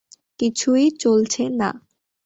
কিছুই চলছে না।